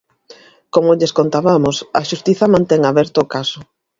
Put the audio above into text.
Como lles contabamos, a xustiza mantén aberto o caso.